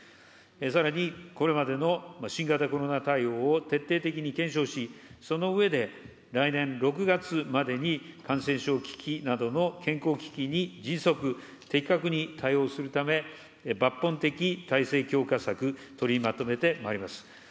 さらに、これまでの新型コロナ対応を徹底的に検証し、その上で、来年６月までに感染症危機などの健康危機に迅速、的確に対応するため、抜本的体制強化策、取りまとめてまいります。